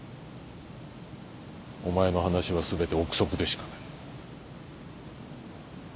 お前の話は全て臆測でしかない。